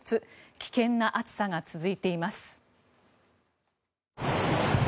危険な暑さが続いています。